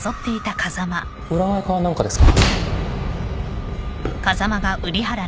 占いか何かですか？